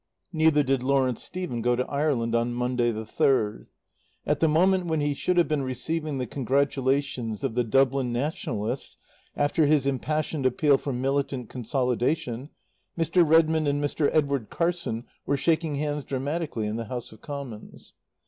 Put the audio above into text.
Neither did Lawrence Stephen go to Ireland on Monday, the third. At the moment when he should have been receiving the congratulations of the Dublin Nationalists after his impassioned appeal for militant consolidation, Mr. Redmond and Sir Edward Carson were shaking hands dramatically in the House of Commons.